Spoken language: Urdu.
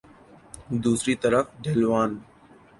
دوسری طرف ڈھلوان